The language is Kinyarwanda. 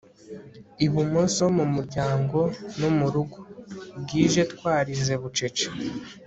ibumoso mumuryango no murugo, bwije twarize bucece